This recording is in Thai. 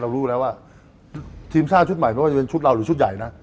รู้แล้วว่าทีมชาติชุดใหม่ไม่ว่าจะเป็นชุดเราหรือชุดใหญ่นะ